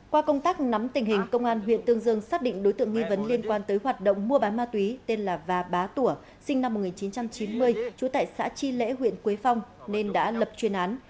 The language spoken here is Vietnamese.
qua công tác nắm tình hình công an huyện tương dương xác định đối tượng nghi vấn liên quan tới hoạt động mua bán ma túy tên là và bá tủa sinh năm một nghìn chín trăm chín mươi trú tại xã chi lễ huyện quế phong nên đã lập chuyên án